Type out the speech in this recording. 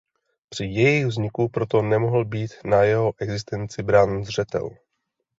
Při jejich vzniku proto nemohl být na jeho existenci brán zřetel.